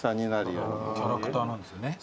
キャラクターなんですよね。